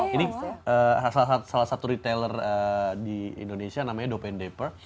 ini salah satu retailer di indonesia namanya dopein dapper